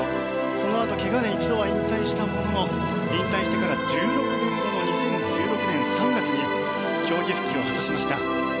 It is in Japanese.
そのあとけがで一度引退したものの引退してから１６年後の２０１６年３月に競技復帰を果たしました。